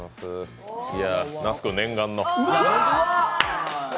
那須君、念願の。